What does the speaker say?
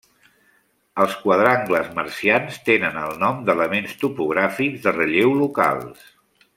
Els quadrangles marcians tenen el nom d'elements topogràfics de relleu locals.